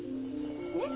ねっ？